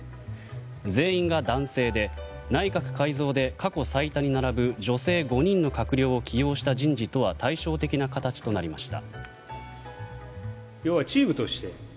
全員が男性で内閣改造で過去最多に並ぶ女性５人の閣僚を起用した人事とは対照的な形となりました。